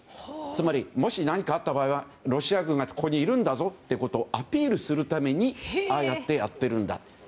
つまり、もし何かあった場合はロシア軍がここにいるんだぞということをアピールするためにああやってやっているんだと。